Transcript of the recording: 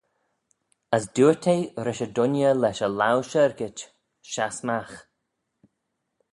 As dooyrt eh rish y dooinney lesh y laue shyrgit, Shass magh.